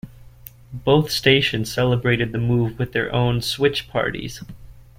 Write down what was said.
Both stations celebrated the move with their own "Switch Parties".